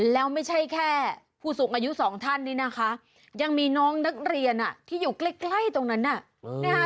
แล้วไม่ใช่แค่ผู้สูงอายุสองท่านนี้นะคะยังมีน้องนักเรียนที่อยู่ใกล้ตรงนั้นน่ะนะคะ